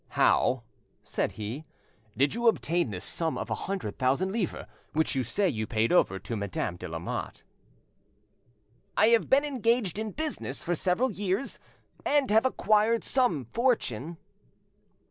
"How," said he, "did you obtain this sum of a hundred thousand livres which you say you paid over to Madame de Lamotte?" "I have been engaged in business for several years, and have acquired some fortune."